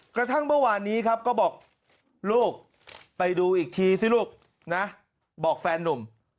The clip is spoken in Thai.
กระทั่งเมื่อวานนี้ครับก็บอกลูกไปดูอีกทีสิลูกนะบอกแฟนนุ่ม